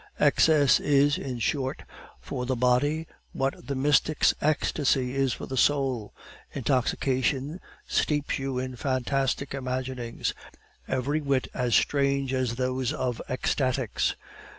"Excess is, in short, for the body what the mystic's ecstasy is for the soul. Intoxication steeps you in fantastic imaginings every whit as strange as those of ecstatics.